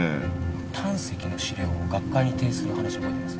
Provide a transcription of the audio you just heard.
胆石の資料を学会に提出する話覚えてます？